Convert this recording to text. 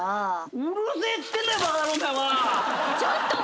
ちょっと。